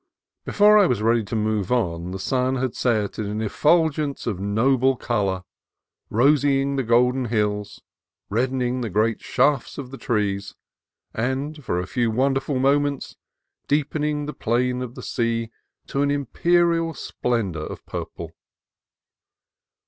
Before I was ready to move on, the sun had set in an effulgence of noble color, rosying the golden hills, reddening the great shafts of the trees, and for a few wonderful moments deepening the plain of the sea to an im perial splendor of purple.